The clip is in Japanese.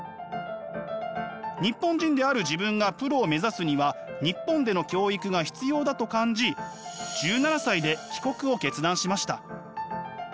日本人である自分がプロを目指すには日本での教育が必要だと感じ１７歳で帰国を決断しました。